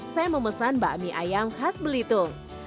saya memesan bakmi ayam khas belitung